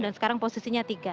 dan sekarang posisinya tiga